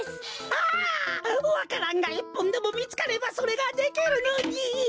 ああわか蘭がいっぽんでもみつかればそれができるのに。